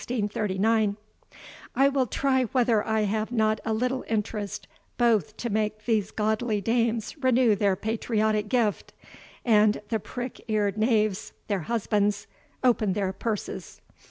] I will try whether I have not a little interest both to make these godly dames renew their patriotic gift, and the prick eared knaves, their husbands, open their purses."